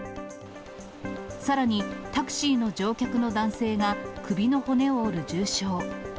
さらに、タクシーの乗客の男性が首の骨を折る重傷。